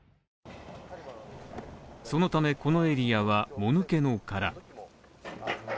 そのためこのエリアはもぬけの殻。